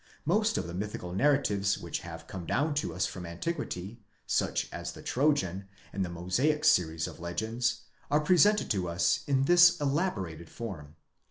Most of the mythical narratives which have come down to us from antiquity, such as the Trojan, and the Mosaic series © of legends, are presented to us in this elaborated form.